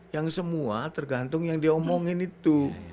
yang semua tergantung yang diomongin itu